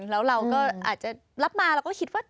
แล้วเราก็อาจจะรับมาเราก็คิดว่า